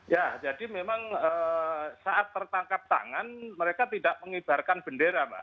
ya jadi memang saat tertangkap tangan mereka tidak mengibarkan bendera mbak